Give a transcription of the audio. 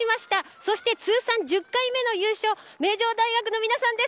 そして通算１０回目の優勝名城大学の皆さんです。